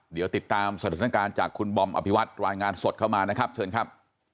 เดี๋ยวติดตามสถานการณ์จากคุณบอมอภิวัตรายงานสดเข้ามานะครับเชิญครับ